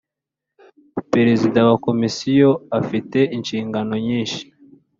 Perezida wa Komisiyo afite inshingano nyishi.